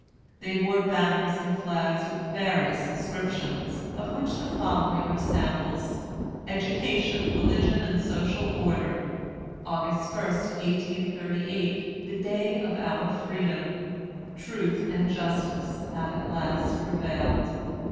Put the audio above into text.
They bore banners and flags with various inscriptions, of which the following are samples: 'Education, Religion, and Social Order'; 'August First, 1838, the Day of our Freedom'; 'Truth and Justice have at last prevailed.'